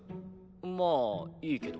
まあいいけど。